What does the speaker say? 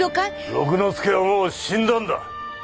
六之助はもう死んだんだ。